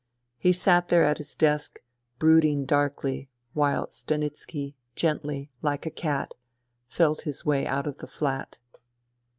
He sat there at his desk, brooding darkly, while Stanitski, gently, like a cat, felt his way out of the flat.